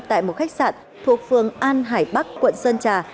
tại một khách sạn thuộc phường an hải bắc quận sơn trà